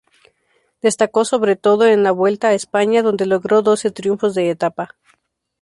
Destacó, sobre todo, en la Vuelta a España, donde logró doce triunfos de etapa.